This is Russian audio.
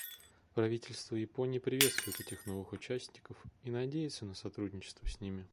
Правительство Японии приветствует этих новых участников и надеется на сотрудничество с ними.